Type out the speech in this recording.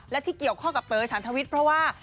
และที่เกี่ยวข้องกับเต๋อฉันทวิทย์เพราะว่า